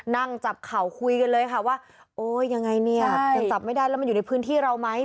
นั่งจับเข่าคุยกันเลยค่ะว่าโอ๊ยยังไงเนี่ยยังจับไม่ได้แล้วมันอยู่ในพื้นที่เราไหม